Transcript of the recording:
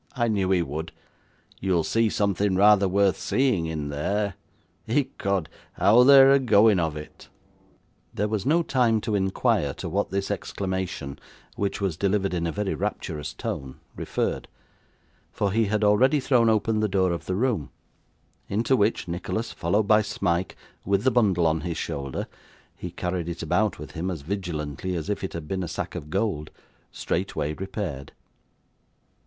'I knew he would. You'll see something rather worth seeing, in there. Ecod, how they are a going of it!' There was no time to inquire to what this exclamation, which was delivered in a very rapturous tone, referred; for he had already thrown open the door of the room; into which Nicholas, followed by Smike with the bundle on his shoulder (he carried it about with him as vigilantly as if it had been a sack of gold), straightway repaired.